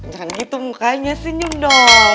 jangan gitu mukanya senyum dong